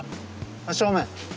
真っ正面。